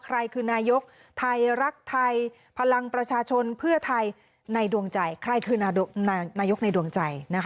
ใครคือนายกไทยรักไทยพลังประชาชนเพื่อไทยในดวงใจ